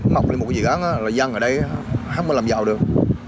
mọc lên một cái dự án là dăng ở đây không có làm giàu được